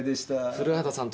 古畑さん